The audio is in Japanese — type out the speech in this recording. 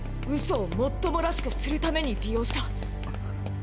嘘をもっともらしくするために利用した。